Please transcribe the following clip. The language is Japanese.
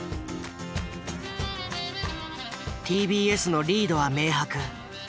ＴＢＳのリードは明白。